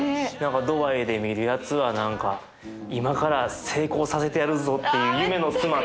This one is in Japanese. ドバイで見るやつは何か今から成功させてやるぞっていう夢の詰まったさ光に見えるし。